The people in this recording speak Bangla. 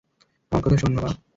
আমার কথা শোন, বাবা!